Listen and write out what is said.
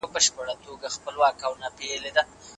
لښتې په خپلو لاسو کې د تودو شيدو وروستی سپین څاڅکی هم ولید.